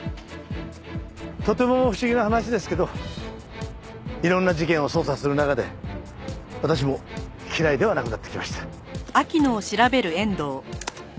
とても不思議な話ですけどいろんな事件を捜査する中で私も嫌いではなくなってきました。